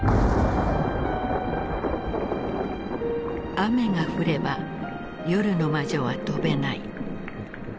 雨が降れば夜の魔女は飛べない。